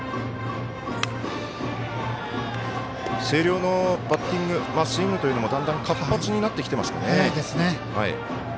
星稜のバッティングスイングというのもだんだん活発になってきてますね。